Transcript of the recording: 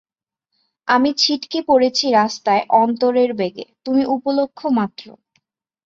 আমি ছিটকে পড়েছি রাস্তায় অন্তরের বেগে, তুমি উপলক্ষ্যমাত্র।